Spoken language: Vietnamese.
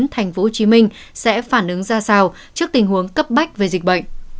tp hcm sẽ phản ứng ra sao trước tình huống cấp bách về dịch bệnh